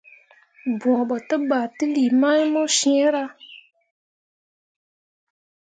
Bõo ɓo te ba teli mamu ciira.